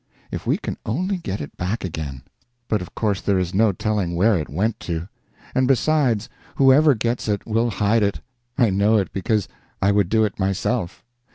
If we can only get it back again But of course there is no telling where it went to. And besides, whoever gets it will hide it; I know it because I would do it myself.